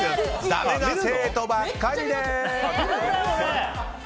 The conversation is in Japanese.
だめな生徒ばっかりです！